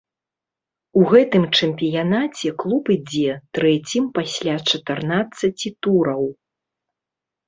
У гэтым чэмпіянаце клуб ідзе трэцім пасля чатырнаццаці тураў.